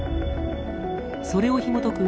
それをひもとく